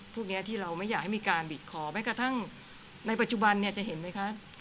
พวกนี้ที่เราไม่อยากให้มีการบีดคอแม้กระทั่งในปัจจุบันเนี่ยจะเห็นไหมคะ